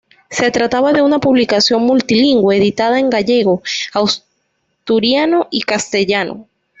Se trataba de una publicación multilingüe, editada en gallego, asturiano y castellano.